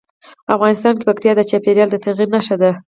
افغانستان کې پکتیا د چاپېریال د تغیر نښه ده.